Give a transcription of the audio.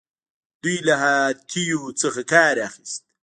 دوی له هاتیو څخه کار اخیست